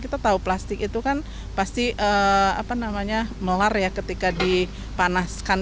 kita tahu plastik itu kan pasti melar ya ketika dipanaskan